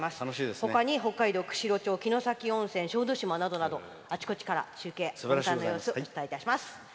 ほかに北海道・釧路町城崎温泉、小豆島などなどあちこちから様子をお届けします。